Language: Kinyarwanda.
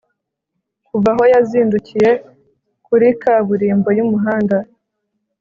kuva aho, yazindukiye kuri kaburimbo y'umuhanda